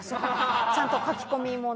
ちゃんと書き込みもね。